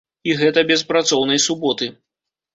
І гэта без працоўнай суботы.